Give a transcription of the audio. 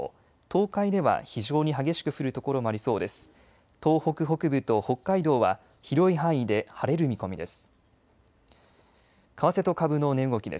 東北北部と北海道は広い範囲で晴れる見込みです。